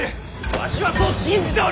わしはそう信じておる！